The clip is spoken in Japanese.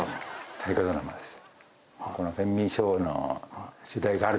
大河ドラマです。